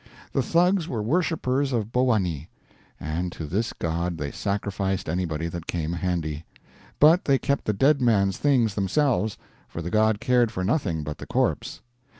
The Thugs were worshipers of Bhowanee; and to this god they sacrificed anybody that came handy; but they kept the dead man's things themselves, for the god cared for nothing but the corpse.